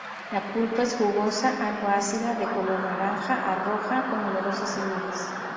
La pulpa es jugosa, algo ácida, de color naranja, a roja, con numerosas semillas.